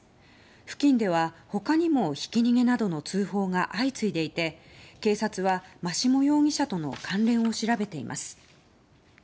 付近では他にも、ひき逃げなどの通報が相次いでいて警察は眞下容疑者との関連を調べています。